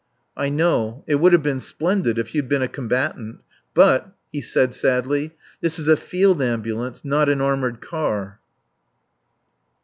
"I know, it would have been splendid if you'd been a combatant. But," he said sadly, "this is a field ambulance, not an armoured car."